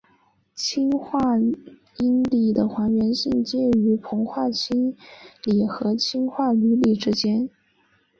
氢化铟锂的还原性介于硼氢化锂和氢化铝锂之间。